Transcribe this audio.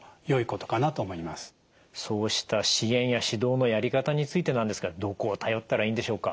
そうした支援や指導のやり方についてなんですがどこを頼ったらいいんでしょうか？